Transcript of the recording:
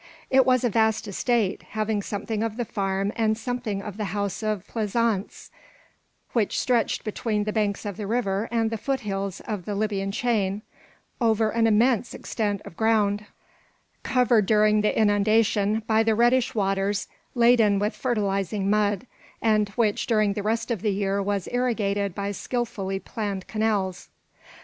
It was a vast estate, having something of the farm and something of the house of pleasaunce, which stretched between the banks of the river and the foothills of the Libyan chain, over an immense extent of ground, covered during the inundation by the reddish waters laden with fertilising mud, and which during the rest of the year was irrigated by skilfully planned canals.